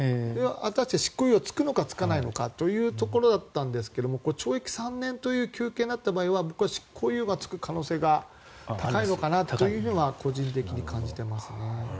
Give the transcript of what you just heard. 果たして執行猶予つくのかつかないのかというところだったんですが懲役３年という求刑になった場合は執行猶予がつく可能性が高いのかなと個人的に感じていますね。